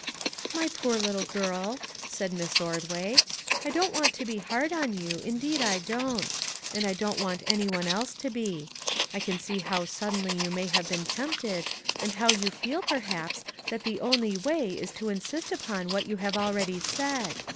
" My poor little girl !" said Miss Ordway, " I don't want to be hard on you, indeed I don't. And I don't want any one else to be. I can see how suddenly you may have been tempted, and now you feel, perhaps, that the only way is to insist upon what you have al ready said.